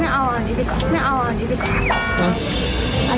ไม่เอาอันนี้ดีกว่าไม่เอาอันนี้ดีกว่า